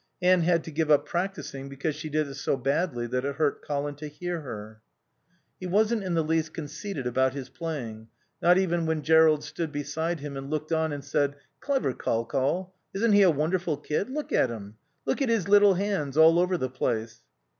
Anne had to give up practising because she did it so badly that it hurt Colin to hear her. He wasn't in the least conceited about his playing, not even when Jerrold stood beside him and looked on and said, "Clever Col Col. Isn't he a wonderful kid? Look at him. Look at his little hands, all over the place."